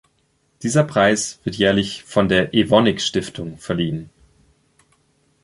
Dieser Preis wird jährlich von der "Evonik-Stiftung" verliehen.